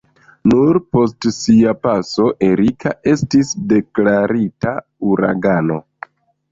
Nur post sia paso Erika estis deklarita uragano.